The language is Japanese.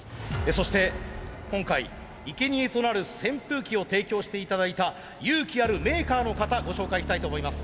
そして今回いけにえとなる扇風機を提供して頂いた勇気あるメーカーの方ご紹介したいと思います。